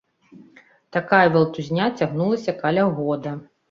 Такая валтузня цягнулася каля года.